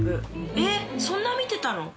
えそんな見てたの？